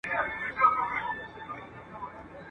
د تاریخ ناوی گلونه په اوربل ږدي